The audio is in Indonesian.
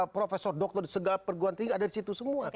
profesor dokter di segala perguruan tinggi ada di situ semua